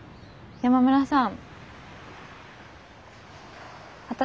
山村さん！